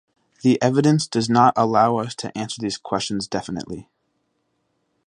The evidence does not allow us to answer these questions definitely.